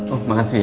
oh makasih ya